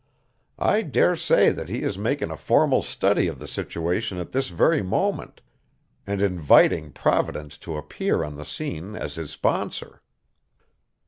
I dare say that he is making a formal study of the situation at this very moment, and inviting Providence to appear on the scene as his sponsor."